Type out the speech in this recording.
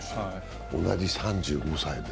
同じ３５歳です。